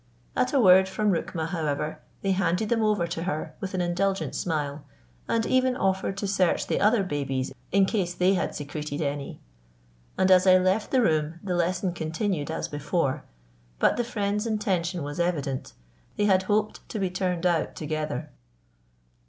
At a word from Rukma, however, they handed them over to her with an indulgent smile, and even offered to search the other babies in case they had secreted any; and as I left the room the lesson continued as before, but the friends' intention was evident: they had hoped to be turned out together.